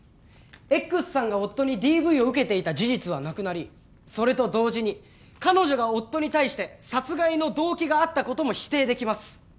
Ｘさんが夫にＤＶを受けていた事実はなくなりそれと同時に彼女が夫に対して殺害の動機があったことも否定できます。